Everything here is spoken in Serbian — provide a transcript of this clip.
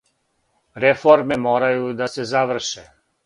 Реформе морају да се заврше.